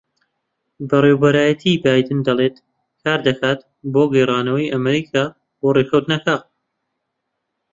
بەڕێوەبەرایەتیی بایدن دەڵێت کار دەکات بۆ گێڕانەوەی ئەمریکا بۆ ڕێککەوتنەکە